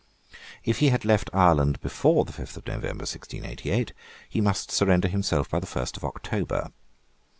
If he had left Ireland before the fifth of November 1688, he must surrender himself by the first of October.